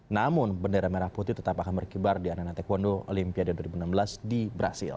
namun bendera merah putih tetap akan berkibar di arena taekwondo olimpiade dua ribu enam belas di brazil